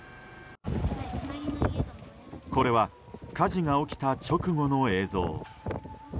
これは火事が起きた直後の映像。